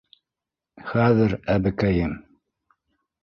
—Хәҙер, әбекәйем!